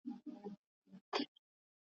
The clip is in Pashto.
زه ګرم نه یم دا زما زړه لېونی دی.